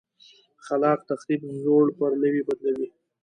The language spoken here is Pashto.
خلاق تخریب زوړ پر نوي بدلوي.